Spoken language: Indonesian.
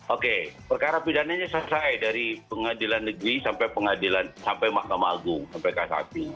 oke perkara pidananya selesai dari pengadilan negeri sampai mahkamah agung sampai kasati